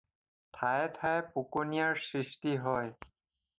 ঠায়ে ঠায়ে পকনীয়াৰ সৃষ্টি হয়।